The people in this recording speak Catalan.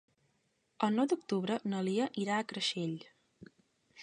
El nou d'octubre na Lia irà a Creixell.